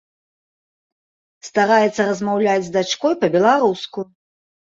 Стараецца размаўляць з дачкой па-беларуску.